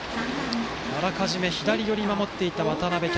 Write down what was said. あらかじめ左寄りに守っていた渡邊。